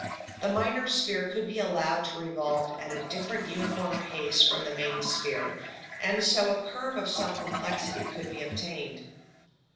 The minor sphere could be allowed to revolve at a different uniform pace from the main sphere, and so a curve of some complexity could be obtained.